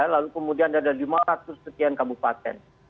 lalu kemudian ada lima ratus sekian kabupaten